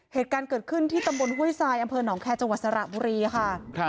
เหตุการณ์เกิดขึ้นที่ตำบลห้วยทรายอำเภอหนองแคร์จังหวัดสระบุรีค่ะ